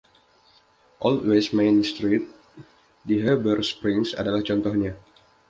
Old West Main Street di Heber Springs adalah contohnya.